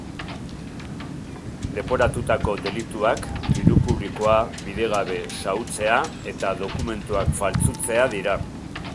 Leporatutako delituak diru publikoa bidegabe xahutzea eta dokumentuak faltsutzea dira.